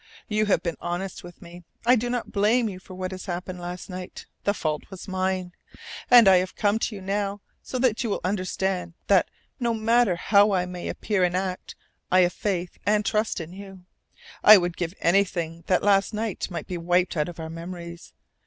You have been honest with me. I do not blame you for what happened last night. The fault was mine. And I have come to you now, so that you will understand that, no matter how I may appear and act, I have faith and trust in you. I would give anything that last night might be wiped out of our memories.